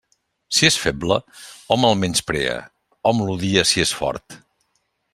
Si és feble, hom el menysprea; hom l'odia si és fort.